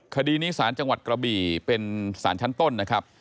คดีนี้สารจังหวัดกระบี่เป็นสารชั้นต้นนะครับ